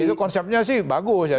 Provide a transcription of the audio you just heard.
itu konsepnya sih bagus ya